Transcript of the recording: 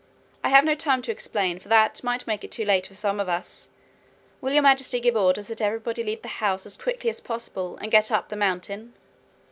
I have no time to explain, for that might make it too late for some of us. Will Your Majesty give orders that everybody leave the house as quickly as possible and get up the mountain?'